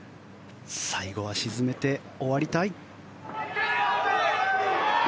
最後は沈めて終わりたい。